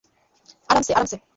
আরামসে, আরামসে।